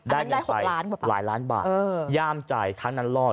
ได้เงินไปหลายล้านบาทย่ามใจครั้งนั้นรอด